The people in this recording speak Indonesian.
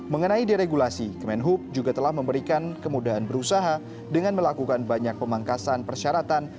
mengenai diregulasi kemenhub juga telah memberikan kemudahan berusaha dengan melakukan banyak pemangkasan persyaratan